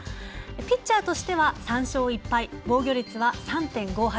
ピッチャーとしては３勝１敗防御率は３．５８